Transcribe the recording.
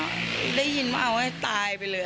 ก็ได้ยินว่าเอาให้ตายไปเลย